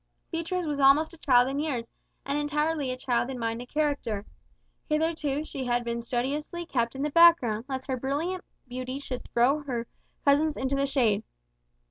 Beatriz was almost a child in years, and entirely a child in mind and character. Hitherto, she had been studiously kept in the background, lest her brilliant beauty should throw her cousins into the shade.